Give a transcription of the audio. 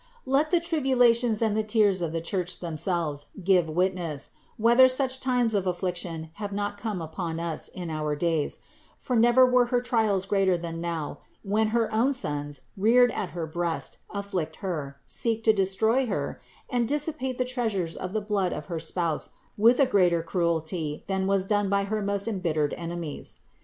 Let the tribulations and the tears of the Church themselves give witness, whether such times of affliction have not come upon us in our days; for never were her trials greater than now, when her own sons, reared at her breast, afflict her, seek to destroy her, and dissipate the treasures of the blood of her Spouse with a greater cruelty than was done by her most embittered enemies.